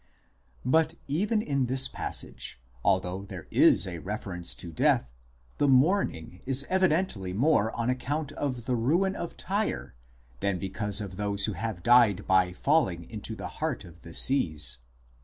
But even in this passage, although there is a reference to death, the mourning is evidently more on account of the ruin of Tyre than because of those who have died by falling " into the heart of the seas."